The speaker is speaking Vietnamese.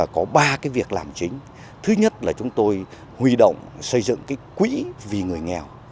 có ba việc làm chính thứ nhất là chúng tôi huy động xây dựng quỹ vì người nghèo